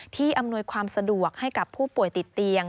อำนวยความสะดวกให้กับผู้ป่วยติดเตียง